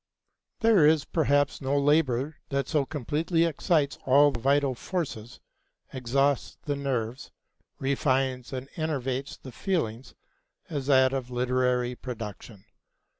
There is perhaps no labor that so completely excites all the vital forces, exhausts the nerves, refines and enervates the feelings, as that of literary production.